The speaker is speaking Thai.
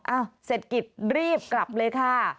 เอ้าเสร็จกิจรีบกลับเลยค่ะ